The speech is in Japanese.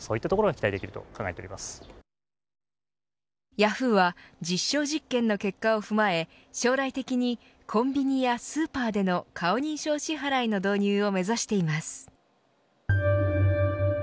ヤフーは実証実験の結果を踏まえ将来的にコンビニやスーパーでの顔認証支払いの導入を目指しています。